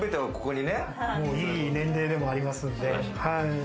いい年齢でもありますんで。